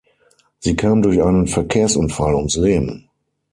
Sie kam durch einen Verkehrsunfall ums Leben.